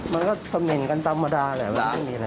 มันก็เขม่นกันธรรมดาแหละมันไม่มีอะไร